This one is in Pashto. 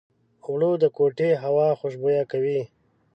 اوړه د کوټې هوا خوشبویه کوي